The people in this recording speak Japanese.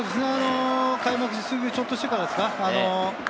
開幕してちょっとしてですか。